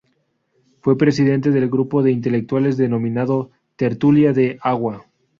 Fue presidente del grupo de intelectuales denominado Tertulia de Agua.